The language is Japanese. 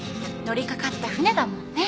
乗り掛かった船だもんね。